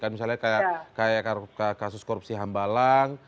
misalnya kayak kasus korupsi hambalang